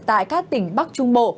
tại các tỉnh bắc trung bộ